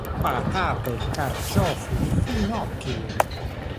Patate, carciofi, finocchi.